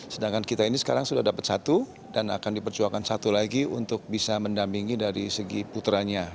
sedangkan kita ini sekarang sudah dapat satu dan akan diperjuangkan satu lagi untuk bisa mendampingi dari segi putranya